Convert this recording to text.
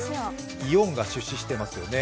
イオンが出資していますね。